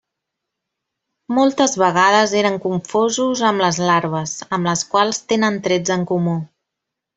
Moltes vegades eren confosos amb les Larves, amb les quals tenen trets en comú.